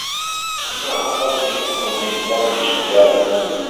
نا، خەڵکی مووسڵ نیم، خەڵکی شنگالم.